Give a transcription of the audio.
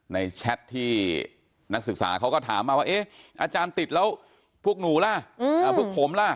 แชทที่นักศึกษาเขาก็ถามมาว่าเอ๊ะอาจารย์ติดแล้วพวกหนูล่ะพวกผมล่ะ